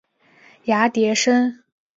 芽叠生。